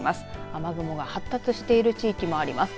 雨雲が発達している地域もあります。